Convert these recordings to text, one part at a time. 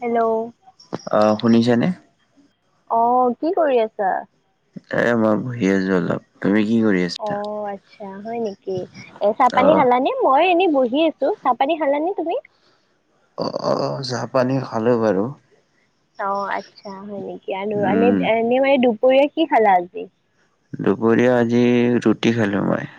Hello অ', শুনিছানে? অ', কি কৰি আছা? এ মই বহি আছো অলপ, তুমি কি কৰি আছ অ', আচ্ছা, হয় নেকি, এ-চাহ পানী আহ খালানে? মই এনেই বহি আছোঁ, চাহ পানী খালানে তুমি? অ' অ' অ', চাহ পানী খালোঁ বাৰু। অ' আচ্ছা, হয় নেকি, আৰু উম এনে-এনেই মানে দুপৰীয়া কি খালা আজি? দুপৰীয়া আজি ৰুটি খালোঁ মই।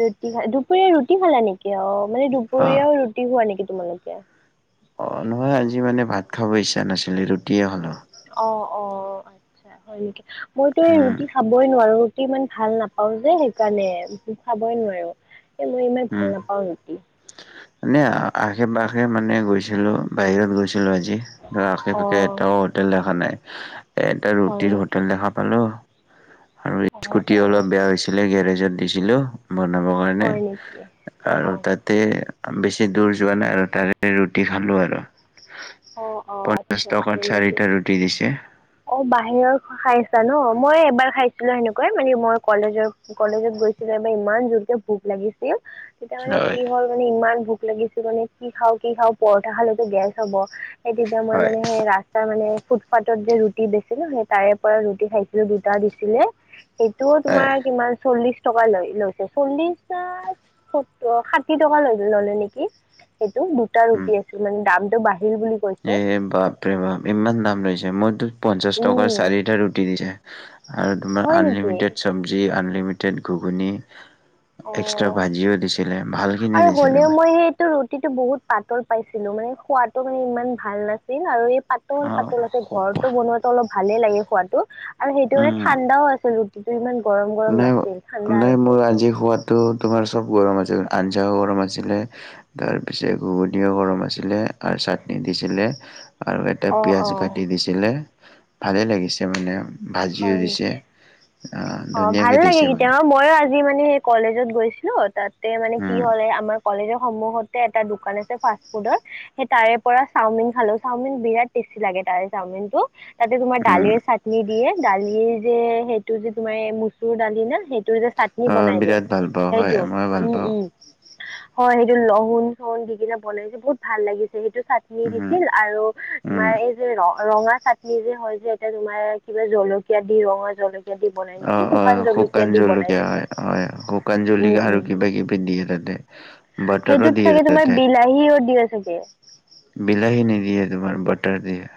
ৰুটি খা দুপৰীয়া ৰুটি খালা নেকি? অ মানে অ দুপৰীয়াও ৰুটি খোৱা নেকি তোমালোকে? অ নহয় আজি মানে ভাত খাব ইচ্ছা নাছিলে ৰুটিয়ে খালোঁ। অ, অ মইতো এই উম ৰুটি খা খাবই নোৱাৰো ৰুটি ইমান ভাল নাপাওঁ যে সেইকাৰণে খাবই নোৱাৰো। মই ইমান ভাল উম নাপাওঁ। মানে আশে পাশে মানে গৈছিলোঁ বাহিৰত গৈছিলোঁ আজি। আশে অ পাশে এটাও হোটেল দেখা নাই এটা হয় ৰুটিৰ নেকি হোটেল দেখা পালোঁ। আৰু অ স্কুটি অ অলপ বেয়া হৈছিলে গেৰেজত দিছিলোঁ। বনাব কাৰণে হয় নেকি আৰু অ তাতে। বেছি দূৰ যোৱা নাই আৰু তাৰে ৰুটি খালোঁ আৰু। অঁ অঁ পঞ্চাশ আচ্ছা টকাত চাৰিটা ৰুটি দিছে। অ বাহিৰৰ খাইছা নহ মই এবাৰ খাইছিলো সেনেকুৱাই মানে মই কলেজৰ। কলেজত গৈছিলোঁ এবাৰ ইমান জোৰকে ভোক লাগিছিল। তেতিয়া মানে হয় কি হ'ল মানে ইমান ভোক লাগিছিল মানে কি খাওঁ কি খাওঁ পৰঠা খালেতো গেছ হ'ব। সেই তেতিয়া মই হয় মানে সেই ৰা তাৰমানে ফুটফাটত যে ৰুটি বেছে নো সেই তাৰে পৰা ৰুটি খাইছিলো দুটা দিছিলে। সেইটোও হয় তোমাৰ কিমান চল্লিশ টকা লৈ লৈছে চল্লিশ না ষাঠি টকা লৈ ল'লে নেকি। সেইটো দুটা উম। ৰুটি আছিল মানে দামটো বাঢ়িল বুলি কৈছে এ বাপৰে বাপ ইমান দাম লৈছে মোৰতো পঞ্চাশ টকাৰ উম, চাৰিটা ৰুটি দিছে। আৰু তোমাৰ হয় নেকি? আনলিমিটেড চবজি আনলিমিটেড ঘুগুনি। অ এক্সট্ৰা ভাজিও দিছিলে ভাল আৰু হ'লেও মই ৰুটিটো বহুত পাতল পাইছিলো মানে খোৱাটো মানে ইমান ভাল নাছিল আৰু এই প অ তল পাতল আছে ঘৰটো বনোৱাটো অলপ ভালে লাগে খোৱাটো আৰু সেইটো মানে উম ঠাণ্ডাও আছিল কিন্তু ইমান গৰম, গৰম নাই নাছিল ঠাণ্ডা নাই ৰুটি মোৰ আছিল। [unintelligible] তোমাৰ চব গৰম আছিলে আঞ্জাও গৰম আছিলে। তাৰ পিছে ঘুগুনিও গৰম আছিলে আৰু চাটনি দিছিলে। আৰু এটা অ পিয়াজ অ কাটি দিছিলে ভালেই লাগিছে মানে। ভাজিও দিছে আ অ ভাল লাগে কেতিয়াবা মইও আজি মানে সেই কলেজত গৈছিলোঁ তাতে মানে কি উম হ'ল এই আমাৰ। কলেজৰ সন্মুখতে এটা দোকান আছে ফাষ্টফুডৰ। সেই তাৰে পৰা চাওমিন খালোঁ চাওমিন বিৰাট টেষ্টি লাগে তাৰে চাওমিনটো। তাতে তোমাৰ উম দালিৰ চাটনি দিয়ে দালিৰ যে সেইটো যে তোমাৰ মচুৰ দালি না সেই তোৰ যে চাটনি অ বনাই গে বিৰাট ভাল পাওঁ হয় সেইটো, মই ভাল উম, পাওঁ উম। হয় সেইটো লহুন চহুন দি কিনে বনাইছে বহুত ভাল লাগিছে সেইটো [unintelligible] উম দিছিল আৰু উম তোমাৰ এই [unintelligible] ৰ-ৰঙা চাটনি যে হয় যে এতিয়া তোমাৰ কিবা জলকীয়া দি ৰঙা জলকীয়া দি। বনাই অ, নেকি অ জলকীয়া শুকান দি বনাই জলকীয়া চাগে হয়, হয় শুকান উম জলকীয়া আৰু উম কিবা কিবি দিয়ে তাতে। বাটাৰো সেইটোত দিয়ে চাগে তোমাৰ তাতে বিলাহীও দিয়ে চাগে। বিলাহী নিদিয়ে তোমাৰ বাটাৰ দিয়ে।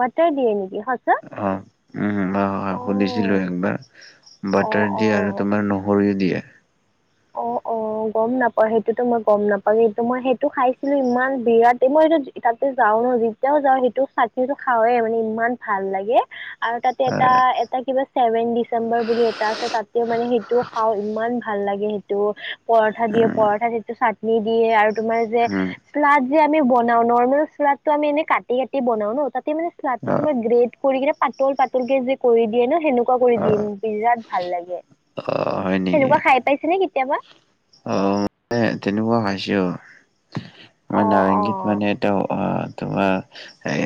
বাটাৰ দিয়ে নেকি সঁচা অ উম মই অঁ সুধিছিলো একবাৰ। অঁ বাটাৰ দিয়ে আৰু অঁ তোমাৰ নহৰু দিয়ে। অ, অ গম নাপাওঁ সেইটোতো মই গম নাপাওঁ কিন্তু মই সেইটো খাইছিলো ইমান বিৰাটেই মই এইটো তাতে যাওঁ ন যেতিয়াই যাওঁ সেইটো চাটনিটো খাওঁৱে মানে ইমান ভাল লাগে। আৰু তাতে এটা আহ [unintelligible] এটা কিবা ছেভেন ডিচেম্বৰ বুলি এটা আছে তাতে মানে সেইটোও খাওঁ ইমান ভাল লাগে সেতটো। পৰঠা দিয়ে উম, পৰঠাত যিটো চাটনি দিয়ে আৰু তোমাৰ যে হম শ্লাদ যে আমি বনাওঁ নৰ্মেল শ্লাদটো আমি এনে কাটি কাটি বনাওঁ ন তাত -তে মানে শ্লাদটো অ', তোমাৰ গ্ৰেট কৰি কিনে পাতল পাতলকে যে কৰি দিয়ে ন সেনুক -কুৱা কৰি অ', দিম বিৰাট ভাল লাগে অ', হয় নেকি? সেনুকুৱা খাই পাইছে নে কেতিয়াবা? অ', মানে তেনেকুৱা খাইছোঁ আমাৰ অঁ নাৰেংগীত অঁ মানে অ', অ', তোমাৰ হেই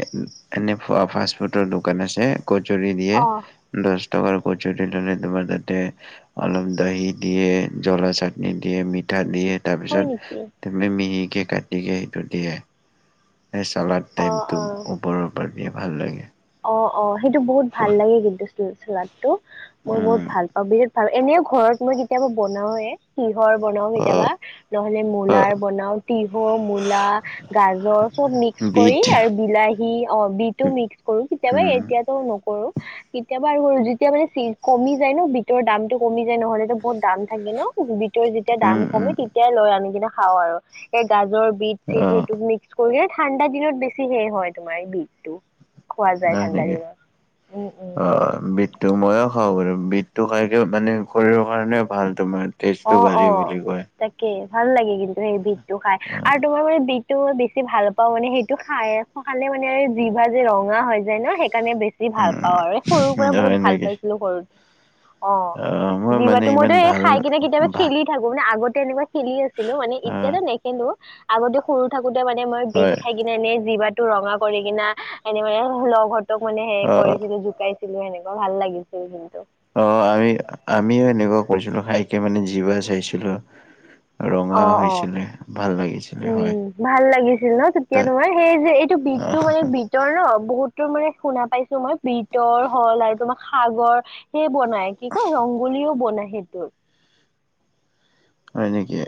এনে ফা ফাষ্ট ফুডৰ দোকান আছে। কচ্চৰি দিয়ে। অঁ দচ টকাৰ কচ্চৰি ল'লে তোমাৰ তাতে অলপ দহি দিয়ে, জ্বলা চাট- নি দিয়ে, মিঠা দিয়ে হয় নেকি তাৰপিছত [unintelligible] মিহিকে কাটিকে সেইটো দিয়ে। সেই চালাদ অঁ টাইপটো অঁ ওপৰৰ পৰা দিয়ে ভাল লাগে। অ', অ', সেইটো বহুত ভাল খোৱা। লাগে কিন্তু [unintelligible] শ্লাদটো মই বহুত অ', ভাল পাওঁ বিৰাট আৰু এনেও ঘৰত মই কেতিয়াবা বনাওঁৱে তিহয় বনাওঁ কেতিয়াবা। নহ'লে মূলাৰ অ', বনাওঁ তিহু, মূলা, গাজৰ চব মিক্স কৰি বিট আৰু বিলাহী ঘি অ', বীটো মিক্স কৰোঁ কেতিয়াবা উম, এতিয়াটো নকৰো। কেতিয়াবা আৰু যিতিয়া মানে [unintelligible] কমি যায় ন বিতৰ দামটো কমি যায় নহ'লেতো বহুত দাম থাকে ন বীট ত' যেতিয়া দাম উম, কমে উম, তেতিয়াই লৈ আনি কিনে খাওঁ আৰু এই গাজৰ, বীট চিট অ', সেইটো মিক [unintelligible] এই ঠাণ্ডা দিনত বেছি হে হয় তোমাৰ এই বীটটো। [unintelligible] অ', উম, উম। অ', বীট -টো ময়ো খাওঁ বাৰু বীটটো খাইকে মানে শৰীৰৰ কাৰণে ভাল তোমাৰ। তেজটো অ', বাঢ়ে অ'। বুলি কয়। তাকে ভাল লাগে কিন্তু সেই বিটটো খাই আৰু তোমাৰ মানে বিটটো বেছি ভাল পাওঁ মানে সেইটো খাই অ', খালে মানে এ, জিভা যে ৰঙা হৈ যায় ন সেইকাৰণে বেছ যি ভাল উম, পাওঁ আৰু এই সৰুৰ পৰা হয় বহুত ভাল নেকি? পাইছিলোঁ সৰুত অ', মই মানে জিভাটো মইতো ইমান এই ভাল খাইক কিতিয়াবা ভাল খেলি থাকোঁ মানে আগতে এনেকুৱা খেলি আছিলোঁ মানে অ', এতিয়াতো নেখেলোঁ। আগতে সৰু থাকোতে মানে মই বিট হয় খাই কিনে এনে জিভাটো ৰঙা কৰি কিনা এনেই মানে লগহঁত তোক মানে সে অ', কৰিছিলোঁ জোকাইছিলোঁ সেনেকুৱা ভাল লাগিছিল কিন্তু। অ', আমি আমিও এনেকুৱা কৰিছিলোঁ খাইকে মানে জিভা চাইছিলোঁ। ৰঙা অ', অ', হৈছিলে ভাল লাগিছিলে হয়। উম ভাল লাগিছিল ন তেতিয়া ত' তোমাৰ সেই যে এত অ'। বীটটো মানে বীট ৰ ন বহুতো মানে শুনা পাইছোঁ মই বিটৰ হ'ল আৰু তোমা সাগৰ সে বনাই কি কওঁ ৰংগোলীও বনাই সেটোৰ। হয় নিকি এ,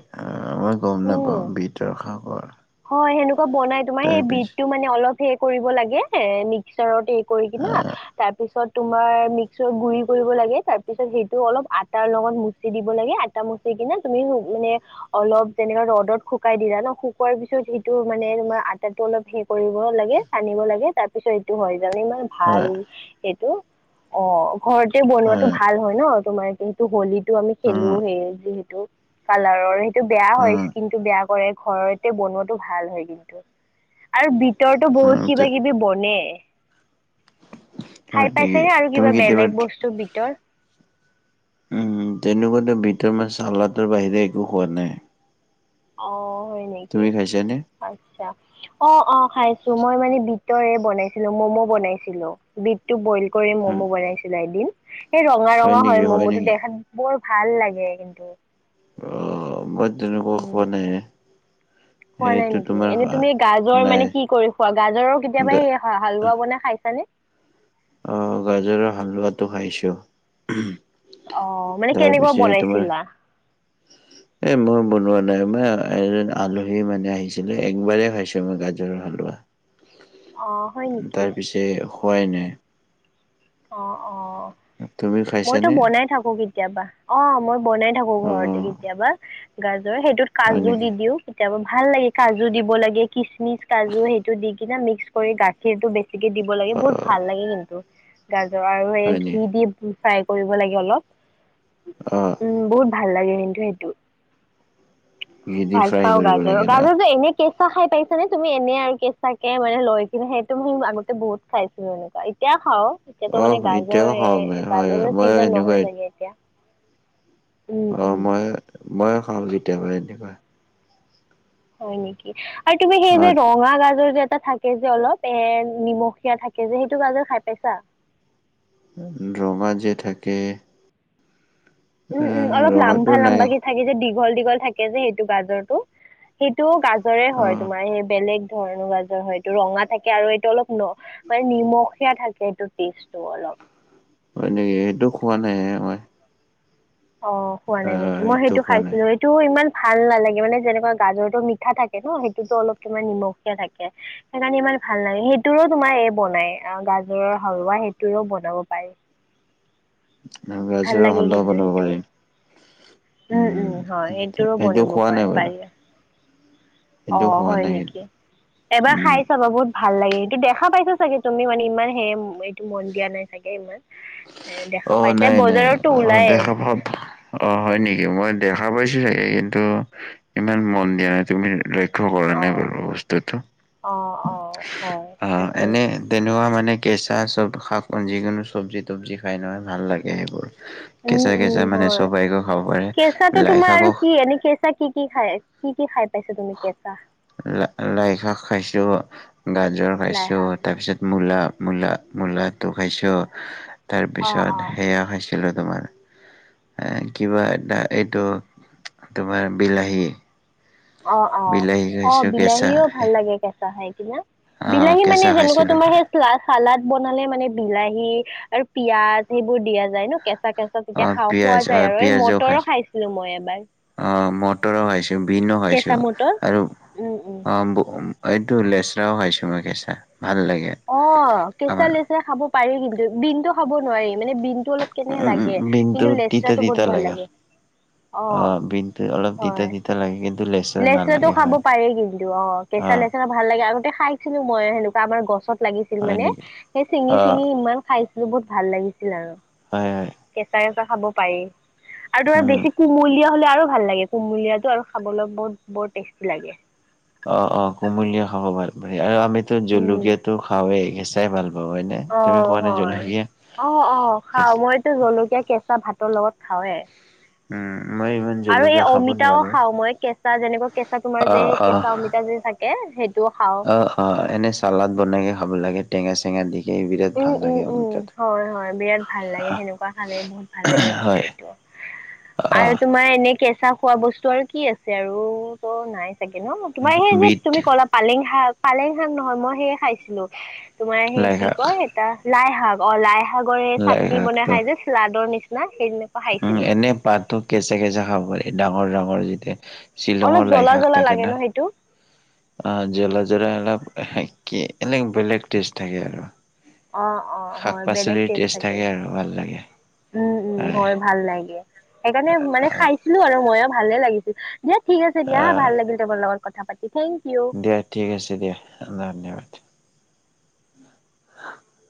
মই গম উম। নাপাওঁ বিটৰ শাকৰ হয় সেনেকুৱা বনাই তোমাৰ সেই বিটটো মানে অলপ হে কৰিব লাগে এ, মিক্সাৰতেই কৰি কিনা আহ তাৰ পিছত তোমাৰ মিক্সাৰত গুৰি কৰিব লাগে তাৰ পিছত সেইটো অলপ আটাৰ লগত মুচি দিব লাগে [unintelligible] ট মচি কিনে তুমি শু মানে অলপ যেনিবা ৰ'দত শুকাই দিলা ন শুক -কুৱাৰ পিছত সেইটো মানে তোমাৰ আটাটো অলপ হে কৰিব লাগে টানিব লাগে তাৰপিছত সেইটো হয় যা মানে ইমান ভাল হয় এইটো অ', ঘৰতে বনোৱাটো ভাল হয় ন তোমাৰ সেইটো হলিত টো আমি খেলো উম সেই যিহেতু কালাৰৰ সেটো বেয়া হয় উম স্কিনটো বেয়া কৰে ঘৰত তে বনোৱাটো ভাল হয় কিন্তু আৰু বীটৰতো উম বহুত কিবা তে- কিবি বনে। হয় খাই নেকি পাইছেনে আৰু তুমি কিবা কেতিয়াবা বেলেগ বস্তু বীটৰ? উম, উম, তেনেকুৱাতো ভিতৰ মাছ, চালাটোৰ বাহিৰে একো খোৱা নাই। অ', হয় নেক তুমি খাইছানে? আচ্ছা। অ', অ', খাইছো। মই মানে বিটৰে বনাইছিলো। মম' বনাইছিলো, বিট টো বইল কৰি হয় ম'ম' বনাইছিলো এদিন, সেই ৰঙা-ৰঙা হয়। ম'ম'টো দেখাত বৰ ভাল লাগে কিন্তু। অ', মই তেনেকুৱা উম খোৱা নাই। খোৱা নাই সেইটো নেকি? তোমাৰ এনেই খা- তুমি গাজৰ নাই মানে কি কৰি খোৱা? গাজৰৰ কেতিয়াবা গা সেয়া হা-হালোৱা বনাই খাইছানে? অ', গাজৰৰ হালোৱাটো খাইছো। অ', মানে কেনেকুৱা তাৰপিছে তোমাৰ বনাইছিলা? এ মই বনোৱা নাই। মই এজন আলহী মানে আহিছিলে, একবাৰেই খাইছো মই গাজৰৰ হালোৱা। অ', হয় নেকি? এ খোৱাই নাই। অ', অ', তুমি মইতো খাইছানে বনাই থাকো কেত কেতিয়াবা। অ', মই বনাই থাকো অ ঘৰতে কেতিয়াবা গাজৰ, সেইটোত হয় কাজু নেকি? দি দিওঁ। কেতিয়াবা ভাল লাগে। কাজু দিব লাগে, কিচমিচ, কাজু সেইটো দি কিনে মিক্স কৰি গাখীৰটো বেছি কে দিব লাগে। অ বহুত ভাল লাগে কিন্তু। গাজৰ আৰু এই হয় নি ঘি দি ফ্ৰাই কৰিব লাগে অলপ। অ উম, বহুত ভাল লাগে কিন্তু সেইটো। ঘি দি ভাল ফ্ৰাই পাওঁ কৰিব গাজৰ। লাগে ন গাজৰ যে এনে কেঁচা খাই পাইছা নে তুমি? এনে আৰু কেঁচা কে। মানে লৈ কিনে সেই [unintelligible] আগতে বহুত খাইছিলো এনেকুৱা। এতিয়া খাওঁ। অ এতিয়াতো মানে এতিয়াও খাওঁ মই হয় হয় গাজৰে-গাজৰৰ মই চিজন নহয় এনেকুৱাই চাগে এতিয়া। উম অ', উম মই-মই খাওঁ কেতিয়াবা কেতিয়াবা। হয় নেকি। আৰু তুমি সেই অ যে ৰঙা গাজৰ যে এটা থাক থাকে যে অলপ, এ নিমখীয়া থাকে যে সেইটো গাজৰ খাই পাইছা? ৰঙা যে থাকে উম, উম, আহ অলপ ৰঙাটো নাই অ লাম্বা-লাম্বাকে থাকে যে, দীঘল-দীঘল থাকে যে সেইটো গাজৰটো। সেইটোও গাজৰে হয় তোমাৰ। সেই বেলেগ ধৰণৰ গাজৰ হয় এইটো ৰঙা থাকে আৰু এইটো অলপ ন মানে নিমখীয়া থাকে। এইটো টেষ্টটো অলপ হয় নেকি? সেইটো খোৱা নাই মই। অ', খোৱা নাই আহ নেকি? মই সেইটো খোৱা নাই খাইছিলো সেটোও ইমান ভাল নালাগে। মানে যেনেকুৱা গাজৰতো মিঠা থাকে ন, সেইটোতো অলপ কিবা নিমখিয় থাকে। সেইকাৰণে ইমান ভাল নালাগে। সেইটোৰো তোমাৰ এই বনাই গাজৰৰ হালৱা সেইটোৰেও বনাব পাৰি। ভাল গাজৰৰ লাগে হালৱা কিন্তু বনাব সেইটো পাৰি। উম উম উম, হয় সেইটোৰো এইটো বনাব খোৱা পাৰে নাই পাৰি বাৰু। সেইটো অ', খোৱা হয় নাই কিন্তু নেকি? এবাৰ উম। খাই চাবা, বহুত ভাল লাগে কিন্তু দেখা পাইছা চাগে তুমি মানে ইমান সেই এইটো মন দিয়া নাই চাগে ইমান। এ দেখা অ', পাইছ নাই, নাই। অ', দেখা ভাব অ', হয় নেকি? মই দেখা পাইছো চাগে কিন্তু ইমান মন দিয়া নাই। তুমি ল লক্ষ্য কৰা অ নাই বাৰু বস্তুটো। অ অ হয় অ', তাকে এনে তেনেকুৱা মানে কেঁচা চব শাক যিকোনো চব্জি-তবজি খাই নহয় ভাল লাগে সেইবোৰ। উম উম কেঁচাই-কেঁচাই মানে হয় চবাইকে খাব পাৰে। লাইশাকো এনেকে কেচা, কি কি খাই? কি কি খাই পাইছ তুমি কেঁচা? ল, লাই শাক খাইছো, গাজৰ লাই খাইছো শাক? তাৰপিছত মূলা-মূলা-মূলাটো খাইছো, অ', তাৰপিছত অ'। সেয়া খাইছো। লো, তোমাৰ কিবা এটা, এইটো তোমাৰ বিলাহী। অ, অ, বিলাহী অ, খাইছোঁ কেঁচা বিলাহীও ভাল লাগে, কেঁচা খাই কিনা। অহ বিলাহী মানে কেঁচা যেনেকুৱা, খাইছিলোঁ তোমাৰ সেই চালাদ বনালে মানে, বিলাহী আৰু পিয়াজ সেইবোৰ দিয়া যায় ন, কেঁচা-কেঁচা। তেতিয়া অহ খাওঁ, খোৱা পিয়াজ অহ যায় আৰু এই মটৰো খাইছিলো মই এবাৰ। অ, মটৰো খাইছো, বিনো খাইছো কেঁচা মটৰ আৰু উম, উম। অ, ব এইটো লেচৰাও খাইছো, মই কেঁচা ভাল লাগে। অহ, কেঁচা আমাৰ লেচাৰা খাব পাৰি কিন্তু, বিনটো খাব নোৱাৰি মানে বিনটো অলপ কেনে লাগে, উম বিনটো কিন্তু তিতা লেচৰাটো তিতা বহুত ভাল লাগে। অ, অহ বিনটো অলপ তিতা হয়। তিতা লাগে, কিন্তু লেচেৰা লেচেৰাটো খাব পাৰি কিন্তু অ, কেঁচা অহ লেচেৰা ভাল লাগে আগতে খাইছিলো মই, এনেকুৱা আমাৰ গছত লাগিছিল হয় মানে, নেকি সেই চিঙি অহ চিঙি ইমান খাইছ বহুত ভাল লাগিছিল, আৰু। হয়, হয়। কেঁচা, কেঁচা খাব পাৰি আৰু ধৰা উম বেছি কুমলীয়া হ'লে আৰু ভাল লাগে, কুমলীয়াটো আৰু খাবলৈ বৰ, বৰ টেষ্টি লাগে। অ, অ, কুমলীয়া খাব ভাল পাই আৰু আমিতো জলকীয়াটো উম খাওৱেই কেঁচাই ভাল পাওঁ হয় নে? অ, হয়, জলকীয়া? অ, অ, খাও মই এইটো জলকীয়া কেঁচা ভাতৰ লগত খাওৱে। উম, মই ইমান আৰু এই জলকীয়া খাব অমিতাও নোৱাৰোঁ। খাওঁ, মই কেঁচা তাৰ, যেনেকুৱা কেঁচা তোমাৰ যে, অ', অ'। কেঁচা অমিতা যে থাকে, সেইটোও খাওঁ। অ, হয়। এনেই চালাদ বনাই খাব লাগে, টেঙা-চেঙা দি। উম, উম, উম, হয়, হয়, বিৰাট ভাল লাগে, সেনেকুৱা খালে বহুত ভাল লাগে কিন্তু হয়, এইটো। আৰু অ', তোমাৰ এনেই কেঁচা খোৱা বস্তু ত, আৰু কি আছে, আৰু ত নাই চাগে ন, তোমাৰ সেই যে বিট তুমি ক'লা পালেং শাক, পালেং শাক নহয় মই, সেই খাইছিলো তোমাৰ সেই লাই কি শাক কয়, এটা লাই শাক। অ, লাই শাকৰ এই, লাই চাটনি বনাই শাকটো খাই যে, চালাদৰ নিচিনা সেইদিনা উম, এনেই পাততো ছিগে, [inaudible] খাব পাৰি, ডাঙৰ- ডাঙৰ যেতিয়া। অলপ শ্বিলঙৰ লাই, জ্বলা শাক জ্বলা লাগে ন তা-কেইটা। সেইটো অ, জেলা জলা অলপ, কি এনে বেলেগ টেষ্ট থাকে আৰু। অ, অ, শাক হয় বেলেগ পাচলিৰ টেষ্ট থাকে। আৰু ভাল লাগে উম, উম, হয় ভাল লাগে, সেইকাৰণে মানে খাই কিনো আৰু ময়ো ভালে লাগিছিল, দিয়া ঠিক আছে, দিয়া ভাল আহ লাগিল, তোমাৰ লগত কথা পাতি, থেংক ইউ। দিয়া ঠিক আছে দিয়া, ধন্যবাদ।